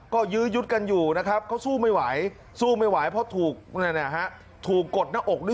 ก็ยื้อยึดกันอยู่นะครับก็สู้ไม่ไหว